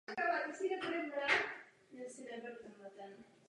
Následuje po čísle devět set padesát devět a předchází číslu devět set šedesát jedna.